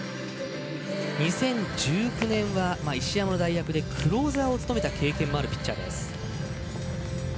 ２０１９年クローザーを務めた経験もあるピッチャーです。